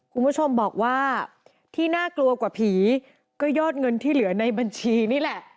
คุณผู้ชมบอกว่าที่น่ากลัวกว่าผีก็ยอดเงินที่เหลือในบัญชีนี่แหละ